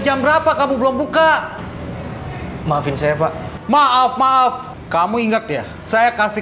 jam berapa kamu belum buka maafin saya pak maaf maaf kamu ingat ya saya kasih